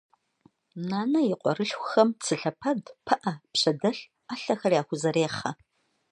Нанэ и къуэрылъхухэм цы лъэпэд, пыӏэ, пщэдэлъ, ӏэлъэхэр яхузэрехъэ.